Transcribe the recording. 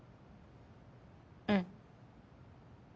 うん。